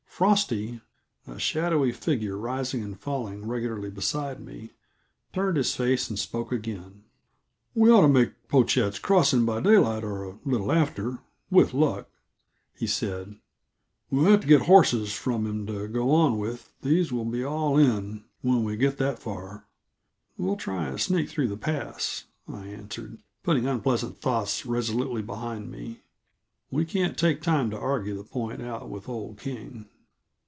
Frosty, a shadowy figure rising and falling regularly beside me, turned his face and spoke again: "We ought to make Pochette's Crossing by daylight, or a little after with luck," he said. "We'll have to get horses from him to go on with; these will be all in, when we get that far." "We'll try and sneak through the pass," I answered, putting unpleasant thoughts resolutely behind me. "We can't take time to argue the point out with old King."